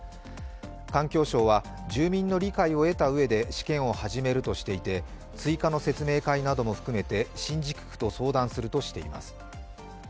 環境省は、住民の理解を得たうえで試験を始めるとしていて追加の説明会なども含めて新宿区と相談するとしています。